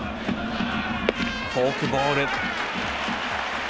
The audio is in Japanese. フォークボール。